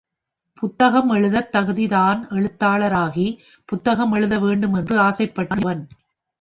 புத்தகம் எழுதத் தகுதி தான் எழுத்தாளராகி, புத்தகம் எழுத வேண்டும் என்று ஆசைப்பட்டான் இளைஞன் ஒருவன்.